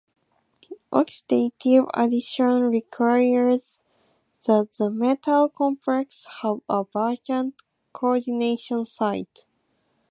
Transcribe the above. Oxidative addition requires that the metal complex have a vacant coordination site.